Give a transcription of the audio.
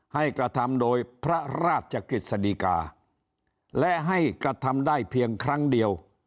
ให้กระทำโดยพระราชกฤษฎีกาและให้กระทำได้เพียงครั้งเดียว